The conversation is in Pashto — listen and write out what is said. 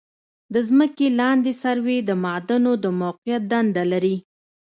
د ځمکې لاندې سروې د معادنو د موقعیت دنده لري